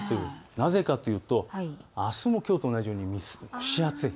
なぜかというとあすもきょうと同じように蒸し暑い。